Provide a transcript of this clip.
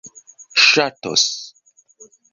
ŝatos